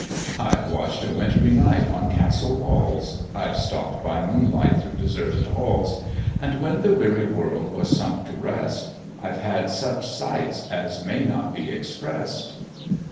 I've watch'd a wint'ry night on castle walls, I've stalk'd by moonlight through deserted halls, And when the weary world was sunk to rest, I've had such sights as may not be express'd.